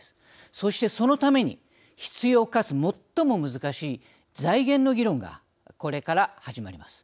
そして、そのために必要かつ最も難しい財源の議論がこれから始まります。